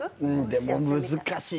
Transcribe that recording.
でも難しい。